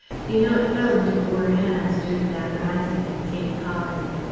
You know it fell into Boer hands during that rising in Cape Colony.